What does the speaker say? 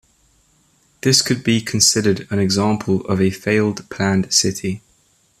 This could be considered an example of a failed planned city.